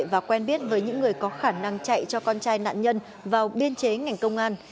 và quen biết với những người có khả năng chạy cho con trai nạn nhân vào biên chế ngành công an